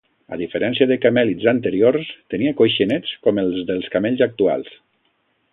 A diferència de camèlids anteriors, tenia coixinets com els dels camells actuals.